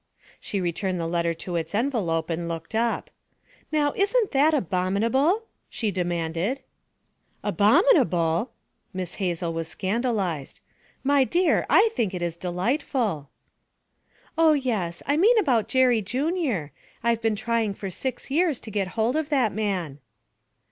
She returned the letter to its envelope and looked up. 'Now isn't that abominable?' she demanded. 'Abominable!' Miss Hazel was scandalized. 'My dear, I think it's delightful.' 'Oh, yes I mean about Jerry Junior; I've been trying for six years to get hold of that man.'